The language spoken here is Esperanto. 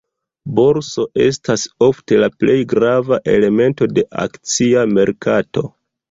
Borso estas ofte la plej grava elemento de akcia merkato.